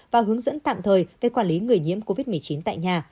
và hướng dẫn tạm thời về quản lý người nhiễm covid một mươi chín tại nhà